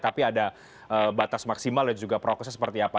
tapi ada batas maksimal dan juga proses seperti apa